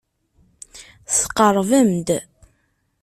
Tqerrbem-d.